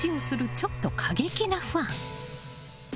ちょっと過激なファン。